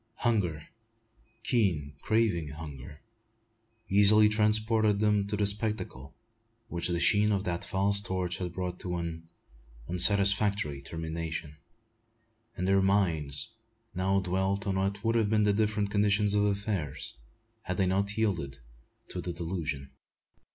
Hunger, keen, craving hunger, easily transported them to the spectacle which the sheen of that false torch had brought to an unsatisfactory termination; and their minds now dwelt on what would have been the different condition of affairs, had they not yielded to the delusion.